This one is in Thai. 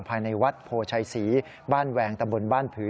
ภายในวัดโพชัยศรีบ้านแวงตำบลบ้านผือ